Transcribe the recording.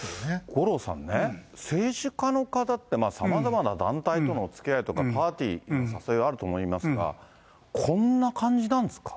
五郎さんね、政治家の方ってさまざまな団体とのつきあいとか、パーティーの誘いがあると思いますが、こんな感じなんですか？